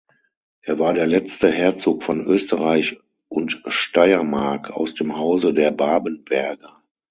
Er war der letzte Herzog von Österreich und Steiermark aus dem Hause der Babenberger.